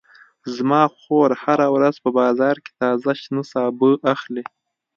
زما خور هره ورځ په بازار کې تازه شنه سابه اخلي